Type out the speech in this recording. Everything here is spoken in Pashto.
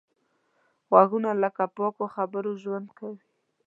غوږونه له پاکو خبرو ژوند زده کوي